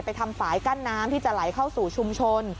ทำฝ่ายกั้นน้ำที่จะไหลเข้าสู่ชุมชน